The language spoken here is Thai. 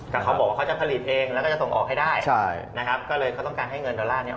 แต่เขาบอกว่าเขาจะผลิตเองแล้วก็จะส่งออกให้ได้